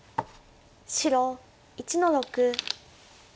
白１の六。